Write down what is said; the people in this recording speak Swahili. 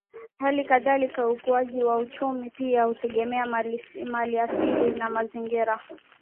Hali kadhalika ukuaji wa uchumi pia hutegemea maliasili na mazingira